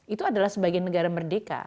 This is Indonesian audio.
itu adalah sebagai negara merdeka